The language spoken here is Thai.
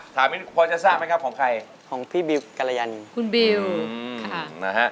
ถามกันพอจะทราบไหมครับของใครของพี่บิลกรยานคุณบิลอืมค่ะ